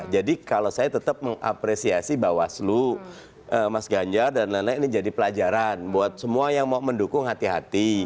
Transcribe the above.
jadi kalau saya tetap mengapresiasi bawaslu mas ganjar dan lain lain ini jadi pelajaran buat semua yang mau mendukung hati hati